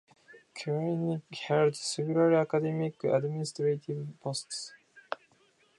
Quayle held several academic administrative posts.